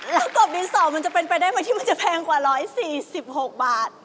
แล้วกบดินสอมันจะเป็นไปได้ไหมที่มันจะแพงกว่า๑๔๖บาท